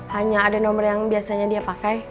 hanya ada nomor yang biasanya dia pakai